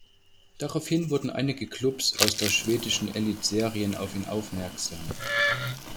Daraufhin wurden einige Klubs aus der Schwedischen Elitserien auf ihn aufmerksam.